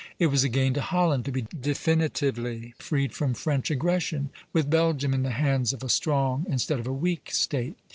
It was a gain to Holland to be definitively freed from French aggression, with Belgium in the hands of a strong instead of a weak State.